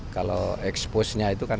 kalau expose nya itu kan